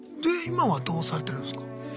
で今はどうされてるんすか？